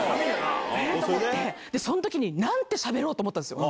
え？と思って、そのときになんてしゃべろうと思ったんですよ。